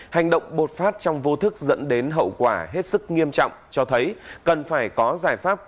hành động bột phát trong vô thức dẫn đến hậu quả hết sức nghiêm trọng cho thấy cần phải có giải pháp